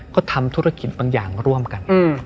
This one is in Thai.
ก็ทำธุรกิจบางอย่างร่วมกัน